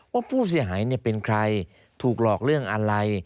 ว่าผู้เสียหายเป็นใครถูกหลอกเรื่องอะไร